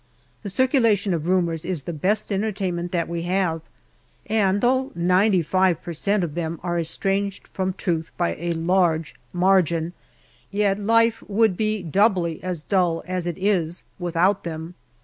The circulation of rumours is the best enter tainment that we have, and though 95 per cent, of them are estranged from truth by a large margin, yet life would be doubly as dull as it is without them.